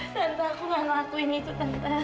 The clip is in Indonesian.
tante aku gak ngelakuin itu kental